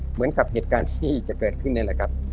เหมือนกับเหตุการณ์ที่จะเกิดขึ้นนี่แหละครับ